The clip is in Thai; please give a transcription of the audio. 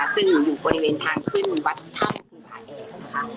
ซึ่งอยู่บริเวณทางขึ้นวัดถ้ำคุณภายเองค่ะ